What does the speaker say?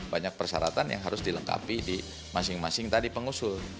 banyak persyaratan yang harus dilengkapi di masing masing tadi pengusul